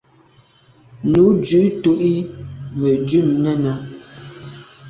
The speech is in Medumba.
Nu dun tu i me dut nène.